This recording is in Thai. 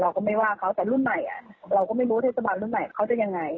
ก็ไม่ว่าเขาแต่รุ่นใหม่เราก็ไม่รู้เทศบาลรุ่นใหม่เขาจะยังไง